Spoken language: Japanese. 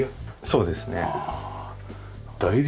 そうです。